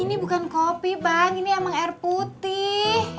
ini bukan kopi bang ini emang air putih